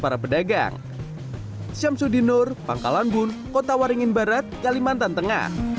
atau disediakan para pedagang